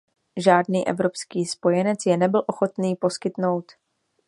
Žádný evropský spojenec je nebyl ochotný poskytnout.